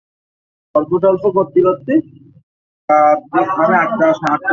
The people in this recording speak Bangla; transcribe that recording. সেখানে এমন কোনো বিষয় ছিল না, যেটাতে দুই পক্ষের মতভিন্নতা হয়েছে।